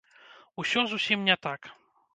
Усё зусім не так.